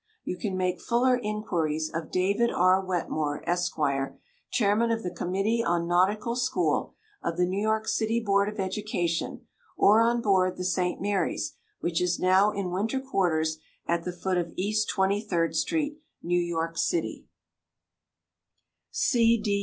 You can make fuller inquiries of David R. Wetmore, Esq., chairman of the Committee on Nautical School, of the New York City Board of Education, or on board the St. Mary's, which is now in winter quarters at the foot of East Twenty third Street, New York city.